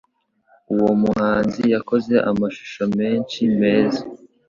Uwo muhanzi yakoze amashusho menshi meza.